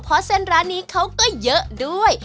เพราะเส้นร้านนี้เขาก็เยอะด้วย